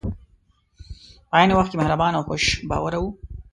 په عین وخت کې مهربان او خوش باوره وو.